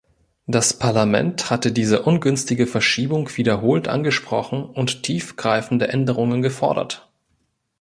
Das Parlament hatte diese ungünstige Verschiebung wiederholt angesprochen und tiefgreifende Änderungen gefordert.